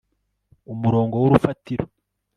umurongo w'urufatiro